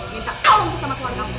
minta kong sama keluarga kamu